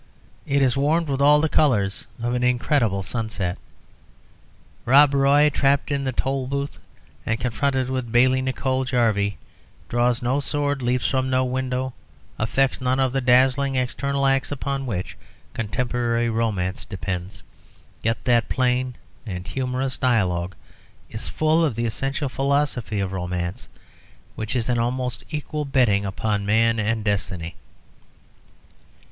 It is warmed with all the colours of an incredible sunset. Rob Roy trapped in the Tolbooth, and confronted with Bailie Nicol Jarvie, draws no sword, leaps from no window, affects none of the dazzling external acts upon which contemporary romance depends, yet that plain and humourous dialogue is full of the essential philosophy of romance which is an almost equal betting upon man and destiny.